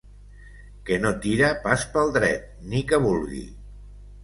Que no tira pas pel dret, ni que vulgui.